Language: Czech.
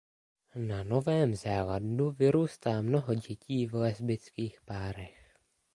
Na Novém Zélandu vyrůstá mnoho dětí v lesbických párech.